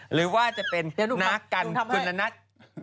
หรือว่าจะเป็นนัดกันคนละนัด